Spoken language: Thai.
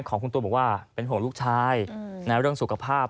ของคุณตัวบอกว่าเป็นห่วงลูกชายเรื่องสุขภาพ